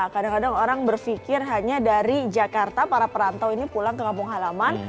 kadang kadang orang berpikir hanya dari jakarta para perantau ini pulang ke kampung halaman